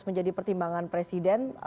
menjadi pertimbangan presiden